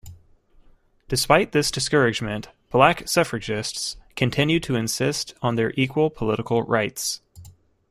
Despite this discouragement, black suffragists continued to insist on their equal political rights.